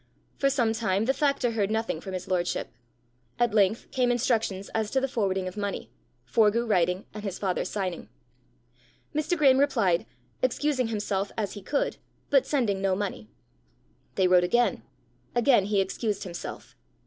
For some time the factor heard nothing from his lordship. At length came instructions as to the forwarding of money, Forgue writing and his father signing. Mr. Graeme replied, excusing himself as he could, but sending no money. They wrote again. Again he excused himself.